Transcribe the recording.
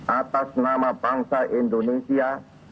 atas nama bangsa indonesia